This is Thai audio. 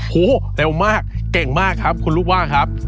โหเร็วมากเก่งมากครับคุณลูกว่างครับ